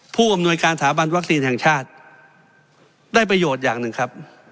ผู้อำนวยการสถาบันวัคซีนแห่งชาติได้ประโยชน์อย่างหนึ่งครับ